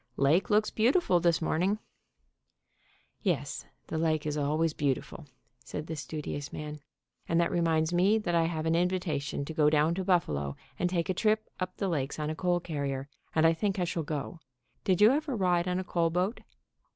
Lake looks beau tiful this morning/' "Yes, the lake is always beautiful," said the studi ous man. "And that reminds me that I have an in vitation to go down to Buffalo and take a trip up the lakes on a coal carrier, and I think I shall go. Did you ever ride on a coal boat?"